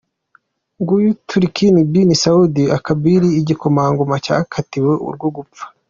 Nguyu Turki bin Saud al-Kabir, igikomangoma cyakatiwe urwo gupfa.